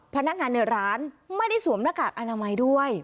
พนักงานในร้านไม่ได้สวมหน้ากากอนามัยด้วย